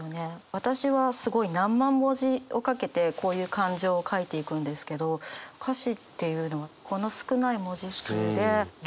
私はすごい何万文字をかけてこういう感情を書いていくんですけど歌詞っていうのはこの少ない文字数でぎゅっとイメージを膨らますっていう。